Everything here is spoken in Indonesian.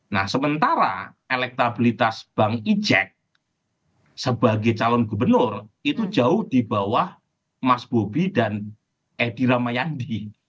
nah sementara elektabilitas bang ijek sebagai calon gubernur itu jauh di bawah mas bobi dan edi rahmayadi